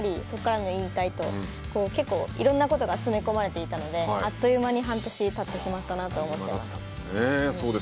そこから引退と結構いろんなことが詰め込まれていたのであっという間に半年たってしまったなと思います。